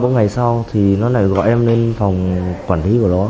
ba bốn ngày sau thì nó lại gọi em lên phòng quản lý của nó